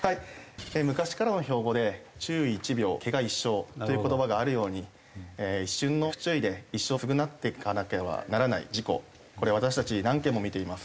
昔からの標語で「注意一秒怪我一生」という言葉があるように一瞬の不注意で一生償っていかなければならない事故これ私たち何件も見ています。